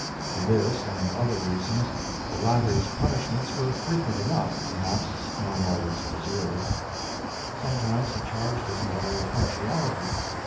For this and other reasons the latter's punishments were frequent enough, perhaps not always deserved. Sometimes he charged his mother with partiality.